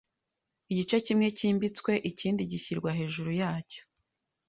Igice kimwe kibitswe ikindi gishyirwa hejuru yacyo